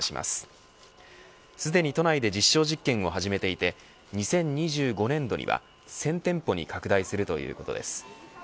すでに都内で実証実験を始めていて２０２５年度には１０００店舗に拡大するということです。